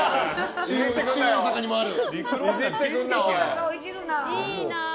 新大阪にもある。